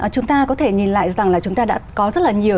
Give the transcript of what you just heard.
chúng ta có thể nhìn lại rằng là chúng ta đã có rất là nhiều